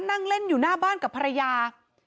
นั่งเล่นอยู่หน้าบ้านกับภรรยา